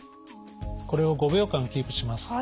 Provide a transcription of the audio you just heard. これを５秒間キープします。